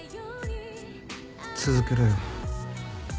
続けろよ。